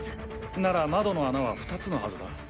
なら、窓の穴は２つのはずだ。